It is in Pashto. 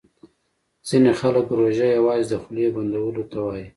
ځیني خلګ روژه یوازي د خولې بندولو ته وايي